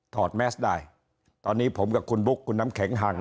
แมสได้ตอนนี้ผมกับคุณบุ๊คคุณน้ำแข็งห่าง